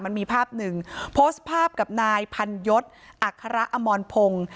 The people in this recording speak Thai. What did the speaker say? มันมีภาพหนึ่งโพสต์ภาพกับนายพันยศอัคระอมรพงศ์